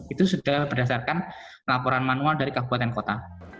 itu sudah berdasarkan laporan manual dari kabupaten kota